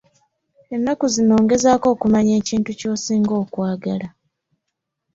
Ennaku zino ngezaako okumanya ekintu ky'osinga okwagala.